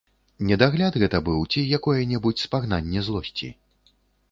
Недагляд гэта быў ці якое-небудзь спагнанне злосці?